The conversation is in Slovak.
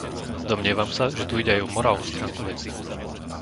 Domnievam sa, že tu ide aj o morálnu stránku veci.